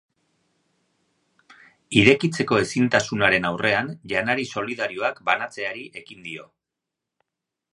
Irekitzeko ezintasunaren aurrean, janari solidarioak banatzeari ekin dio.